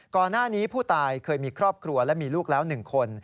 ก่อนหน้านี้ผู้ตายเคยมีครอบครัวและมีลูกแล้ว๑คน